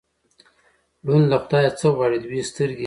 ـ ړوند له خدايه څه غواړي، دوې سترګې.